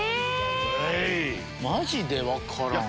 マジで分からん。